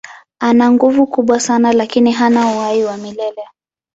Ana nguvu kubwa sana lakini hana uhai wa milele.